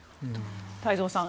太蔵さん